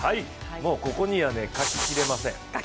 ここには書き切れません。